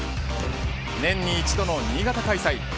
年に一度の新潟開催